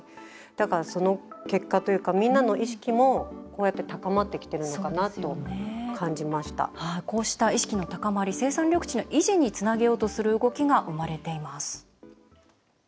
だからその結果というかみんなの意識というのも高まってきているのかなとこうした意識の高まり生産緑地の維持につなげようとする動きが生まれています。